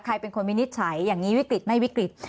ใครเป็นคนวินิจฉัยอย่างนี้วิกฤตไม่วิกฤต